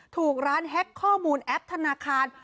ถูกร้านแฮ็กข้อมูลแอปธนาคาร